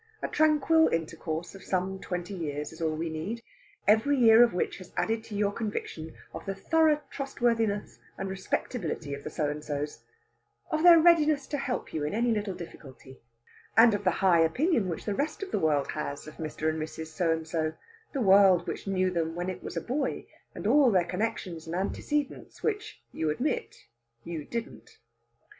A tranquil intercourse of some twenty years is all we need, every year of which has added to your conviction of the thorough trustworthiness and respectability of the So and sos, of their readiness to help you in any little difficulty, and of the high opinion which the rest of the world has of Mr. and Mrs. So and so the world which knew them when it was a boy, and all their connexions and antecedents, which, you admit, you didn't....